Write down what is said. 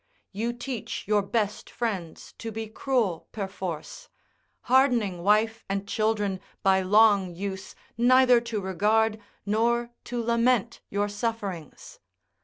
You teach your best friends to be cruel perforce; hardening wife and children by long use neither to regard nor to lament your sufferings.